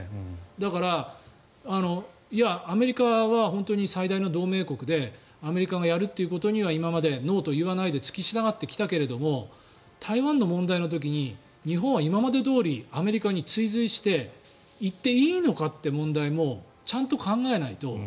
だから、アメリカは本当に最大の同盟国でアメリカがやるってことには今までノーと言わないで付き従ってきたけれど台湾の問題の時に日本は今までどおりアメリカに追随していっていいのかという問題もちゃんと考えないと。